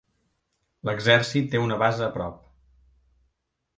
L'exèrcit té una base prop.